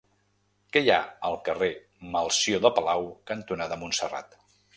Què hi ha al carrer Melcior de Palau cantonada Montserrat?